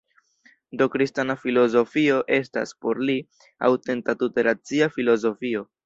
Do kristana filozofio estas, por li, aŭtenta tute racia filozofio.